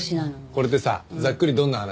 これってさざっくりどんな話？